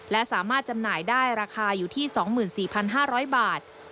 และสามารถจำหน่ายได้ราคาอยู่ที่๒๔๕๐๐บาท